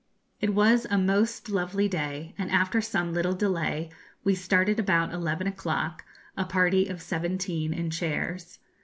It was a most lovely day, and after some little delay we started about eleven o'clock, a party of seventeen in chairs.